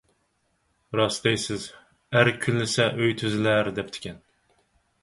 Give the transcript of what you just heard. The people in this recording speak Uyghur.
راست دەيسىز. «ئەر كۈنلىسە ئۆي تۈزىلەر» دەپتىكەن.